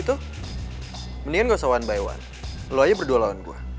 gue aja yang ngerepin dia